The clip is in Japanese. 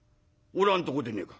おらんとこでねえか」。